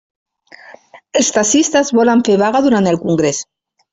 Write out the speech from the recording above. Els taxistes volen fer vaga durant el congrés.